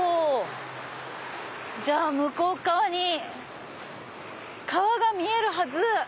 じゃあ向こう側に川が見えるはず！